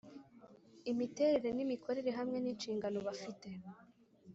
imiterere n’ imikorere hamwe n’ inshingano bafite